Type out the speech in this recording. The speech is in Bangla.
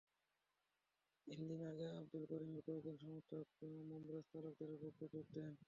তিন দিন আগে আবদুল করিমের কয়েকজন সমর্থক মোমরেজ তালুকদারের পক্ষে যোগ দেন।